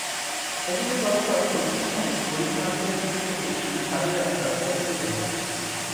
এদিকে গতকাল দক্ষিণখানে ফরিদ মার্কেটের কাছ থেকে শিশু সাদিয়া আক্তার অপহৃত হয়।